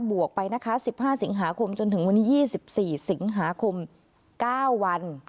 วกไปนะคะ๑๕สิงหาคมจนถึงวันที่๒๔สิงหาคม๙วัน